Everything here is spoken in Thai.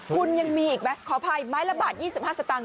คุณยังมีอีกไหมขออภัยไม้ละบาท๒๕สตางค